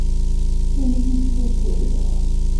D ayenni swaswa ay yeḍran.